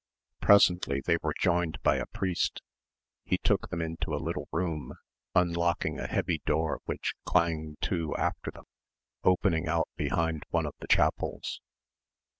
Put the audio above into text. Presently they were joined by a priest. He took them into a little room, unlocking a heavy door which clanged to after them, opening out behind one of the chapels.